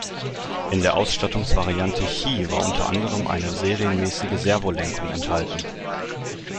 In der Ausstattungsvariante "Xi" war unter anderem eine serienmäßige Servolenkung enthalten.